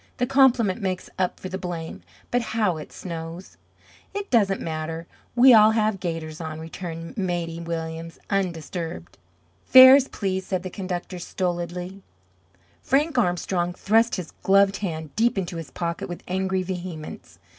"The compliment makes up for the blame. But how it snows!" "It doesn't matter. We all have gaiters on," returned Maidie Williams, undisturbed. "Fares, please!" said the conductor stolidly. Frank Armstrong thrust his gloved hand deep into his pocket with angry vehemence.